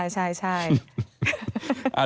ใช่